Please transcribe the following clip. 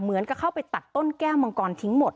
เหมือนกับเขาไปตัดต้นแก้วมังกรทิ้งหมด